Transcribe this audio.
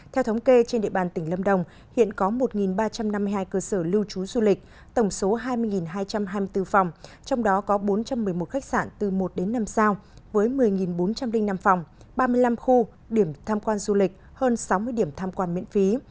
theo thống kê trên địa bàn tỉnh lâm đồng hiện có một ba trăm năm mươi hai cơ sở lưu trú du lịch tổng số hai mươi hai trăm hai mươi bốn phòng trong đó có bốn trăm một mươi một khách sạn từ một đến năm sao với một mươi bốn trăm linh năm phòng ba mươi năm khu điểm tham quan du lịch hơn sáu mươi điểm tham quan miễn phí